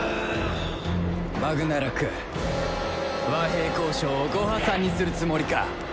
バグナラク和平交渉をご破算にするつもりか？